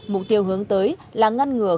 mục tiêu hướng tới là ngăn ngừa